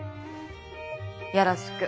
よろしく。